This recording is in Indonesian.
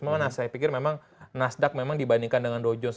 memang saya pikir memang nasdaq memang dibandingkan dengan dow jones